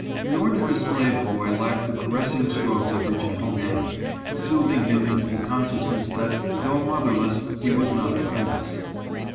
Nor did the slave boy lack the caressing strokes of her gentle hand, soothing him into the consciousness that, though motherless, he was not friendless.